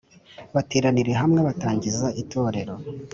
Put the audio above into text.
bateranira hamwe batangiza itorero